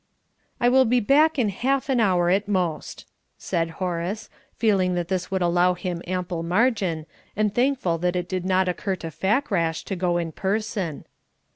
"I'll be back in half an hour, at most," said Horace, feeling that this would allow him ample margin, and thankful that it did not occur to Fakrash to go in person.